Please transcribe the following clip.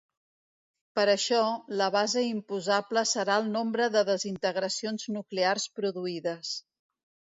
Per això, la base imposable serà el nombre de desintegracions nuclears produïdes.